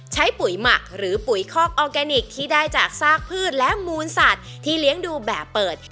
ปุ๋ยหมักหรือปุ๋ยคอกออร์แกนิคที่ได้จากซากพืชและมูลสัตว์ที่เลี้ยงดูแบบเปิด